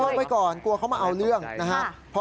ไว้ก่อนกลัวเขามาเอาเรื่องนะครับ